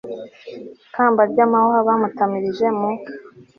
kamba ry'amahwa, bamutamirije mu